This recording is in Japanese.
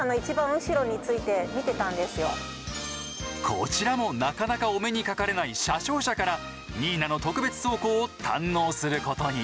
こちらもなかなかお目にかかれない車掌車からニーナの特別走行を堪能することに。